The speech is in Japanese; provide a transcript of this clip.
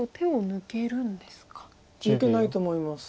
抜けないと思います。